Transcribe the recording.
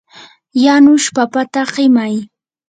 yanush papata qimay.